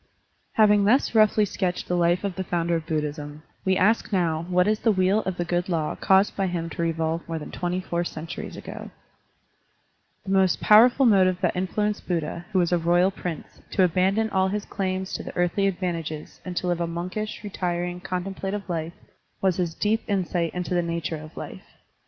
♦♦♦ Having thus roughly sketched the life of the founder of Buddhism, we ask now what is the Digitized by Google I04 SERMONS OP A BUDDHIST ABBOT Wheel of the Good Law caused by him to revolve more than twenty four centtiries ago. The most powerful motive that influenced Buddha, who was a royal prince, to abandon all his claims to the earthly advantages and to live a monkish, retiring, contemplative life, was his deep insight into the nature of life.